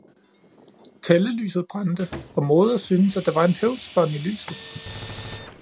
Tællelyset brændte, og moder syntes at der var en høvlspån i lyset